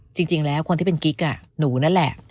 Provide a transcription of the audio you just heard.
จริงแล้วคนที่เป็นกิ๊กหนูนั่นแหละ